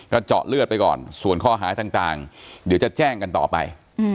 เจาะเลือดไปก่อนส่วนข้อหาต่างเดี๋ยวจะแจ้งกันต่อไป